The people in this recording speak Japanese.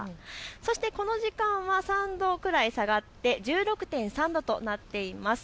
そしてこの時間は３度くらい下がって１６．３度となっています。